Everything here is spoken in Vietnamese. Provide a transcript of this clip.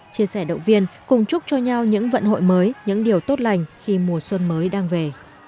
chia sẻ động viên cùng chúc cho nhau những vận hội mới những điều tốt lành khi mùa xuân mới đang về